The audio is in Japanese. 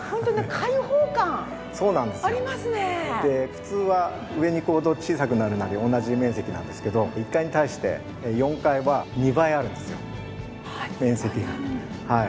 普通は上に行くほど小さくなるなり同じ面積なんですけど１階に対して４階は２倍あるんですよ面積が。